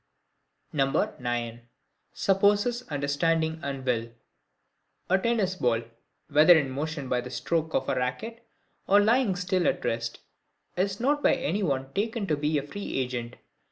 9. Supposes Understanding and Will. A tennis ball, whether in motion by the stroke of a racket, or lying still at rest, is not by any one taken to be a free agent.